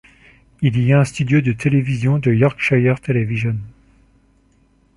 Il y a un studio de télévision de Yorkshire Television.